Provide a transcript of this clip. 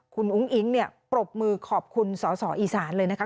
คุณอุ้งอิ๊งเนี่ยปรบมือขอบคุณสอสออีสานเลยนะคะ